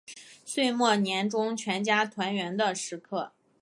岁末年终全家团圆的时刻